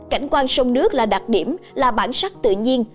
cảnh quan sông nước là đặc điểm là bản sắc tự nhiên